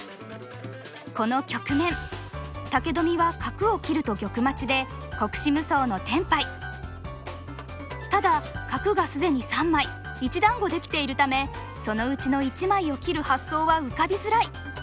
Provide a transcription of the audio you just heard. この局面武富は角を切ると玉待ちで国士無双のテンパイただ角が既に３枚１団子できているためその内の１枚を切る発想は浮かびづらい！